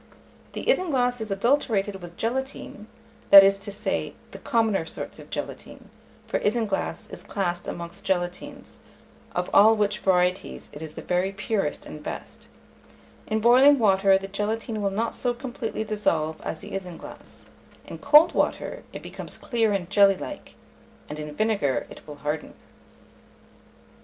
If the isinglass is adulterated with gelatine (that is to say, the commoner sorts of gelatine, for isinglass is classed amongst gelatines, of all which varieties it is the very purest and best), in boiling water the gelatine will not so completely dissolve as the isinglass; in cold water it becomes clear and jelly like; and in vinegar it will harden.